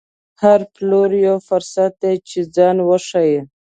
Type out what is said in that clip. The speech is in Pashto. هر پلور یو فرصت دی چې ځان وښيي.